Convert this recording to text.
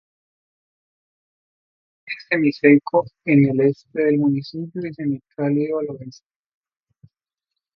El clima es semiseco en el Este del municipio y semicálido al Oeste.